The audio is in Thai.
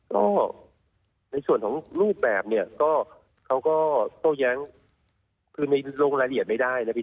ก็ในส่วนของรูปแบบเนี่ยก็เขาก็โต้แย้งคือในลงรายละเอียดไม่ได้นะพี่